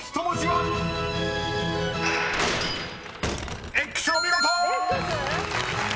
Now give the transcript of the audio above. ［お見事！］